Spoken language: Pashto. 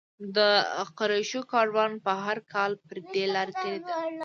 د قریشو کاروان به هر کال پر دې لاره تېرېده.